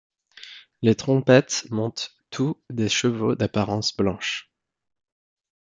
Les trompettes montent tous des chevaux d'apparence blanche.